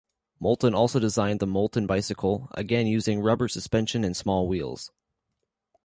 Moulton also designed the Moulton Bicycle, again using rubber suspension and small wheels.